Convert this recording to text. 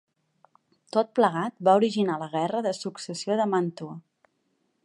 Tot plegat va originar la guerra de successió de Màntua.